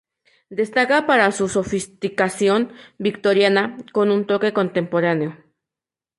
Destaca para su sofisticación victoriana, con un toque contemporáneo.